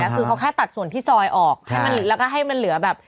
คือเขาแค่ตัดส่วนที่ซอยออกให้มันแล้วก็ให้มันเหลือแบบ